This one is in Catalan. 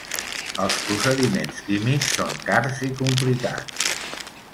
Els procediments químics són cars i complicats.